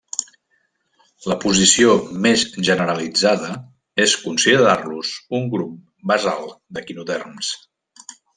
La posició més generalitzada és considerar-los un grup basal d'equinoderms.